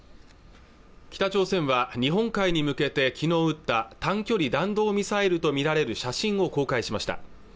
北朝鮮は日本海に向けて昨日撃った短距離弾道ミサイルとみられる写真を公開しました